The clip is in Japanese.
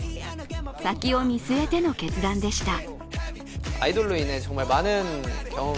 先を見据えての決断でした。